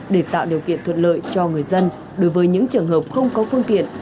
để tạo điều kiện thuận lợi cho người dân đối với những trường hợp không có phương tiện